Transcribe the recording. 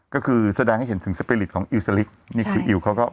ก็ซดายให้เห็นสึงสัก